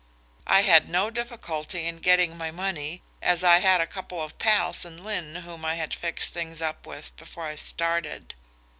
I had no difficulty in getting my money, as I had a couple of pals in Lynn whom I had fixed things up with before I started.